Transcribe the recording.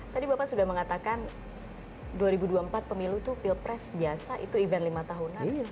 tadi bapak sudah mengatakan dua ribu dua puluh empat pemilu itu pilpres biasa itu event lima tahunan